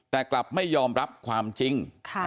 แต่กลับไม่ยอมรับความจริง